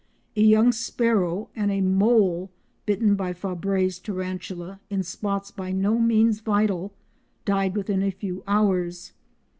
A young sparrow and a mole bitten by Fabre's tarantula in spots by no means vital died within a few hours.